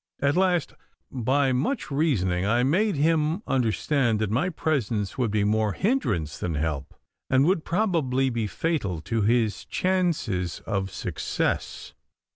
At last by much reasoning I made him understand that my presence would be more hindrance than help, and would probably be fatal to his chances of success.